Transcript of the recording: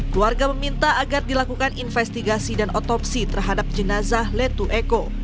keluarga meminta agar dilakukan investigasi dan otopsi terhadap jenazah letu eko